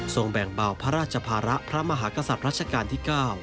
แบ่งเบาพระราชภาระพระมหากษัตริย์รัชกาลที่๙